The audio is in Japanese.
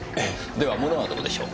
では物はどうでしょう？